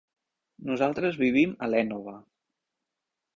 Nosaltres vivim a l'Énova.